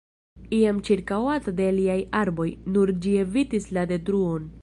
Iam ĉirkaŭata de aliaj arboj, nur ĝi evitis la detruon.